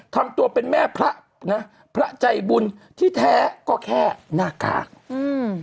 ทำตัวเป็นแม่พระนะพระใจบุญที่แท้ก็แค่หน้ากากอืม